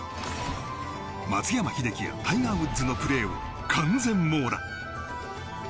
松山英樹やタイガー・ウッズのプレーを完全網羅！